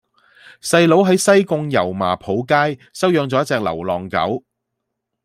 細佬喺西貢油麻莆街收養左一隻流浪狗